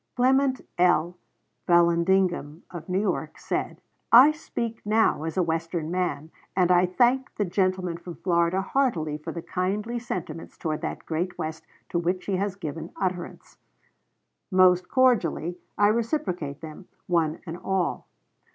Clement L. Vallandigham, of Ohio, said: "Globe," Dec. 10, 1860, p. 38. I speak now as a Western man; and I thank the gentleman from Florida heartily for the kindly sentiments towards that great West to which he has given utterance. Most cordially I reciprocate them, one and all.